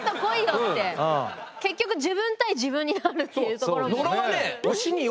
結局自分対自分になるっていうところ。